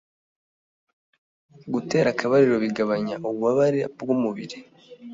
Gutera akabariro bigabanya ububabare bw'umubiri